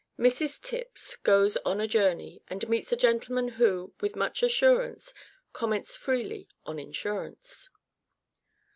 MRS. TIPPS GOES ON A JOURNEY, AND MEETS A GENTLEMAN WHO, WITH MUCH ASSURANCE, COMMENTS FREELY ON INSURANCE.